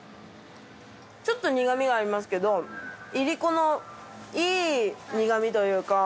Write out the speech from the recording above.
ちょっと苦みがありますけどいりこのいい苦みというか。